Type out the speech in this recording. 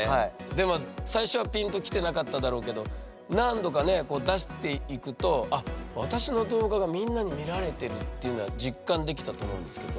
でも最初はピンと来てなかっただろうけど何度かね出していくとあっ私の動画がみんなに見られてるっていうのは実感できたと思うんですけど。